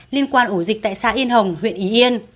liên quan ổ dịch tại xã yên hồng huyện ý yên